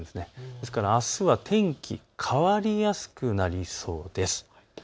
ですからあすは天気、変わりやすくなりそうです。